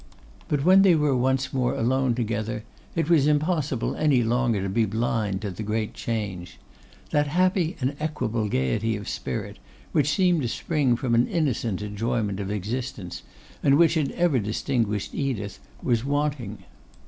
But when they were once more alone together, it was impossible any longer to be blind to the great change. That happy and equable gaiety of spirit, which seemed to spring from an innocent enjoyment of existence, and which had ever distinguished Edith, was wanting.